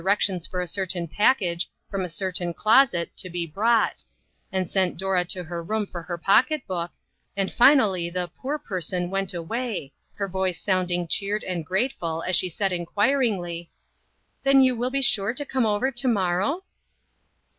rections for a certain package from a certain closet to be brought, and sent Dora to her room for her pocket book, and finally 16 INTERRUPTED. the " poor person " went away, her voice sounding cheered and grateful as she said inquiringly : 41 Then you will be sure to come over to morrow?"